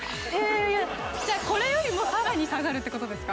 じゃ、これよりも更に下がるということですか？